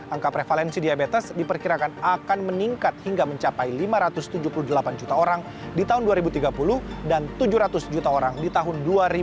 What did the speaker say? angka prevalensi diabetes diperkirakan akan meningkat hingga mencapai lima ratus tujuh puluh delapan juta orang di tahun dua ribu tiga puluh dan tujuh ratus juta orang di tahun dua ribu dua puluh